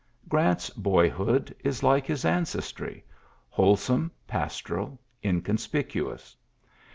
Grant's boyhood is like his ancestry, wholesome, pastoral, inconspicuous.